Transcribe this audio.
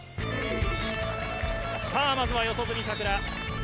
さあ、まずは四十住さくら。